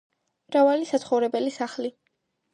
მრავალი საცხოვრებელი სახლი.